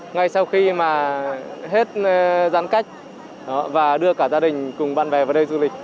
ngay sau khi mà hết giãn cách và đưa cả gia đình cùng bạn bè vào đây du lịch